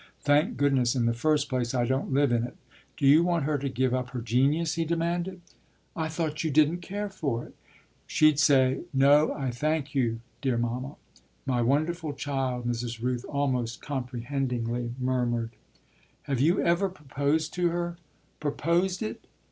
Thank goodness, in the first place, I don't live in it. Do you want her to give up her genius?" he demanded. "I thought you didn't care for it." "She'd say, 'No I thank you, dear mamma.'" "My wonderful child!" Mrs. Rooth almost comprehendingly murmured. "Have you ever proposed it to her?" "Proposed it?"